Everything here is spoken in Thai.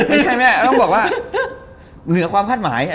ไม่ใช่มั้ยต้องบอกว่าเหนือความพัดหมาย